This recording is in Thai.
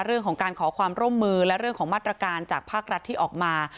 เรื่องของการขอความร่วมมือและเรื่องของมาตรการจากภาครัฐที่ออกมา